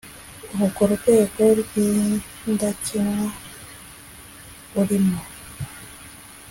urwo rwego rw’indakemwa urimo